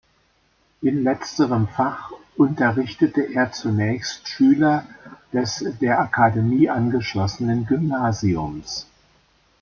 In letzterem Fach unterrichtete er zunächst Schüler des der Akademie angeschlossenen Gymnasiums.